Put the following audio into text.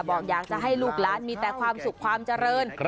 บอกอยากจะให้ลูกล้านมีแต่ความสุขความเจริญ